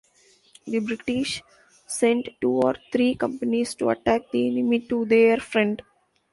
The British sent two or three companies to attack the enemy to their front.